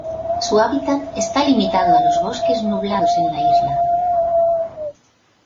Su hábitat está limitado a los bosques nublados en la isla.